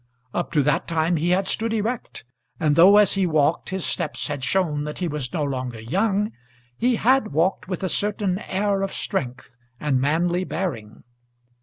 Up to that time he had stood erect, and though as he walked his steps had shown that he was no longer young, he had walked with a certain air of strength and manly bearing.